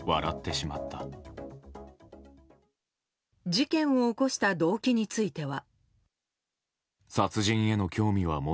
事件を起こした動機については。